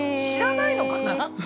知らないのかな？